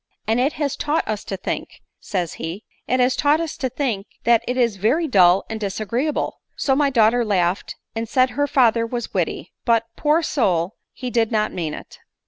' And it has taught us to think, ' says he ;' it has taught to think that it is very dull and disagreeable. 9 So my daughter laughed, and said her father was witty ; but, poor soul he did not mean it.